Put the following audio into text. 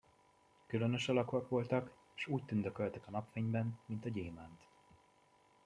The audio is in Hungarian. Különös alakúak voltak, s úgy tündöklöttek a napfényben, mint a gyémánt.